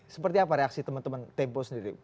seperti apa reaksi teman teman tempo sendiri